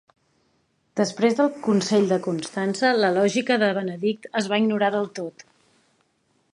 Després del Consell de Constança, la lògica de Benedict es va ignorar del tot.